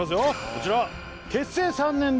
こちら！